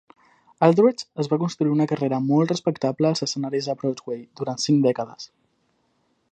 Aldredge es va construir una carrera molt respectable als escenaris de Broadway durant cinc dècades.